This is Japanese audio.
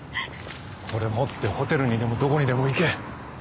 これ持ってホテルにでもどこにでも行け。